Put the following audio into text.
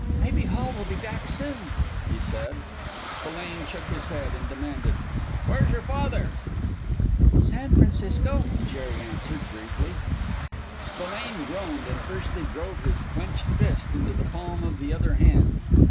"Maybe Hall will be back soon," he said. Spillane shook his head, and demanded, "Where's your father?" "San Francisco," Jerry answered, briefly. Spillane groaned, and fiercely drove his clenched fist into the palm of the other hand.